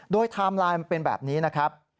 โดยไทม์ไลน์มันเป็นแบบนี้นะครับ